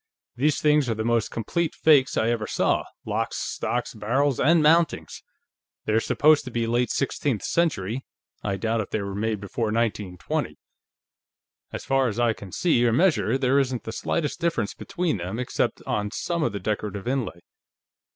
"These things are the most complete fakes I ever saw locks, stocks, barrels and mountings. They're supposed to be late sixteenth century; I doubt if they were made before 1920. As far as I can see or measure, there isn't the slightest difference between them, except on some of the decorative inlay.